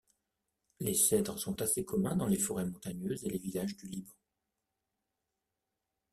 Les cèdres sont assez communs dans les forêts montagneuses et les villages du Liban.